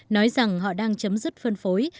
nói rằng họ đang chấm dứt phân phối